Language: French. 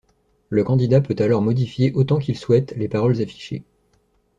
Le candidat peut alors modifier autant qu'il souhaite les paroles affichées.